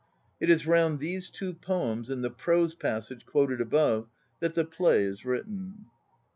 It is round these two poems and the prose passage quoted above that the play is written.